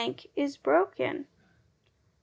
is broken.